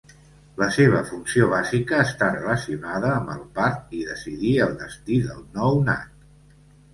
La seva funció bàsica està relacionada amb el part i decidir el destí del nounat.